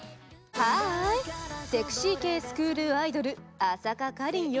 ハーイセクシー系スクールアイドル朝香果林よ。